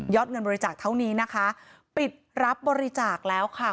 เงินบริจาคเท่านี้นะคะปิดรับบริจาคแล้วค่ะ